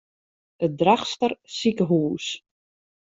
It Drachtster sikehûs.